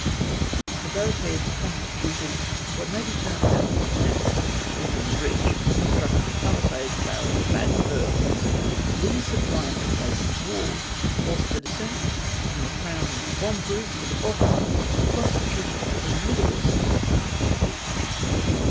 The barricades constituted what may be termed a rampart within the breach, constructed of pahsades, barrels, bags of earth, &c., these supplying the place of waUs, whilst the descent from the crown of the bomb THE FRENCH ASSAULT ROSAS. 307 proof to the bottom, constituted a formidable substitute for a ditch.